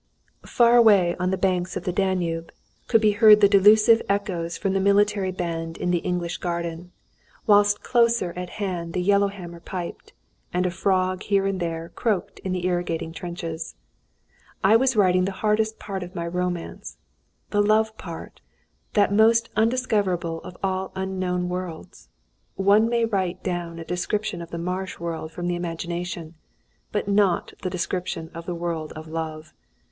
Far away on the banks of the Danube could be heard the delusive echoes from the military band in the "English Garden," whilst closer at hand the yellow hammer piped, and a frog here and there croaked in the irrigating trenches. I was writing the hardest part of my romance the love part, that most undiscoverable of all unknown worlds. One may write down a description of the marsh world from the imagination, but not a description of the world of love.